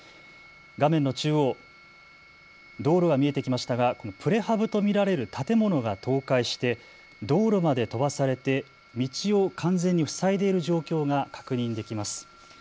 画面の中央、道路が見えてきましたがプレハブと見られる建物が倒壊して道路まで飛ばされて道を完全に塞いでいる状況が確認できます。